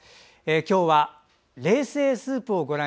今日は冷製スープ。